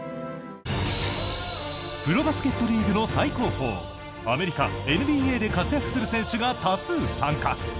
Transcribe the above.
プロバスケットリーグの最高峰アメリカ・ＮＢＡで活躍する選手が多数参加！